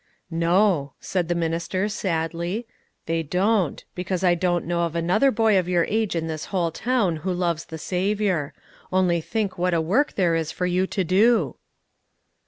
"No," said the minister sadly, "they don't; because I don't know of another boy of your age in this whole town who loves the Saviour. Only think what a work there is for you to do!"